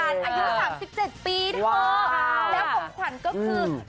อายุ๓๗ปีเธอแล้วของขวัญก็คือ